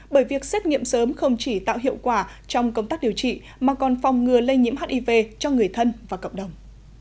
bởi việc xét nghiệm sớm không chỉ tạo hiệu quả trong công tác điều trị mà còn phòng ngừa lây nhiễm hiv cho người thân và cộng đồng